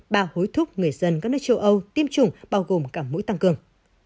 ba hối thúc người dân các nước châu âu tiêm chủng bao gồm cả mũi tăng cường